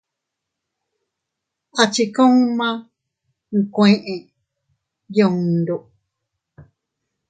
A chi kuma nkuee yundu.